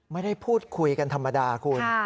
ไม่ได้พูดคุยกันธรรมดาคุณ